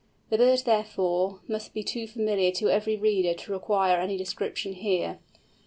The bird, therefore, must be too familiar to every reader to require any description here.